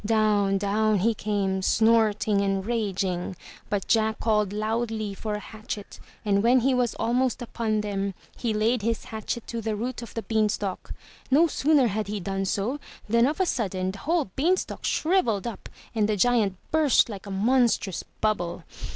Down, down he came, snorting and raging, but Jack called loudly for a hatchet and when he was almost upon them, he laid his hatchet to the root of the beanstalk. No sooner had he done so, than of a sudden, the whole beanstalk shrivelled up and the giant burst like a monstrous bubble.